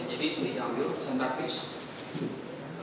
jadi ini diambil sandbag piece